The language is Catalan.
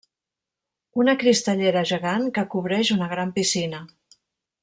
Una cristallera gegant que cobreix una gran piscina.